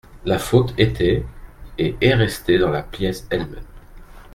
La faute était et est restée dans la pièce elle-même.